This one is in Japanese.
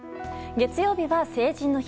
月曜日は成人の日。